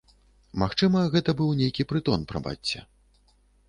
Магчыма, гэта быў нейкі прытон, прабачце.